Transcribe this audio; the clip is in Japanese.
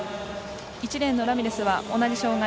１レーンのラミレスは同じ障がい。